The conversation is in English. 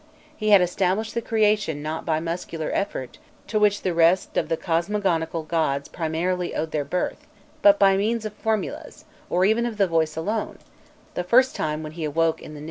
He had accomplished the creation not by muscular effort to which the rest of the cosmogonical gods primarily owed their birth, but by means of formulas, or even of the voice alone, "the first time" when he awoke in the Nû.